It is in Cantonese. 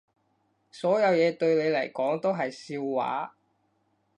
所有嘢對你嚟講都係笑話